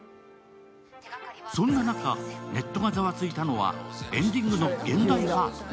そんな中、ネットがザワついたのはエンディングの現代パート。